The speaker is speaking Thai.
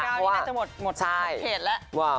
เจ้านี่แน่นจะหมดเคชแล้ว